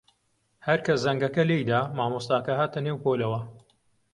هەر کە زەنگەکە لێی دا، مامۆستاکە هاتە نێو پۆلەوە.